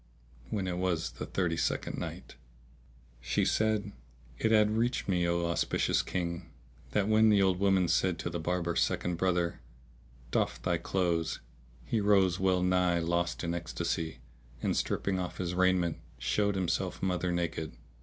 When it was the Thirty second Night, She said, It hath reached me, O auspicious King, that when the old woman said to the Barber's second brother, "Doff thy clothes," he rose, well nigh lost in ecstasy; and, stripping off his raiment, showed himself mother naked.